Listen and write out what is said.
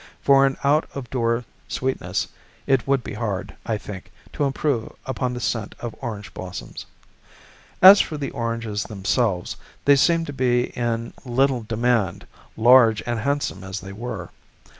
For an out of door sweetness it would be hard, I think, to improve upon the scent of orange blossoms. As for the oranges themselves, they seemed to be in little demand, large and handsome as they were.